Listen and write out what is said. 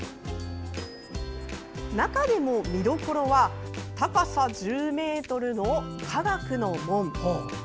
中でも見どころは高さ１０ｍの科学の門。